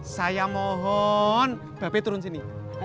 saya mohon bapak turun sini